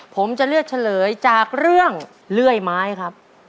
ผมจะเลือกเฉลยจากเรื่องเลื่อยไม้ครับ